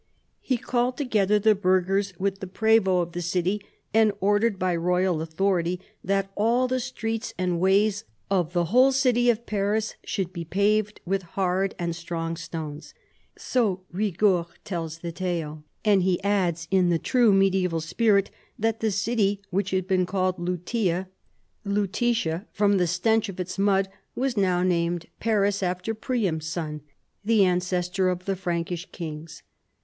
He called together the burghers with the prevot of the city, and ordered by royal authority that all the streets and ways of the whole city of Paris should be paved with hard and strong stones." So Rigord tells the tale, and he adds in the true medieval spirit that the city which had been called Lutea (Lutetia) from the stench 154 PHILIP AUGUSTUS chap. of its mud, was now named Paris after Priam's son, the ancestor of the Frankish kings.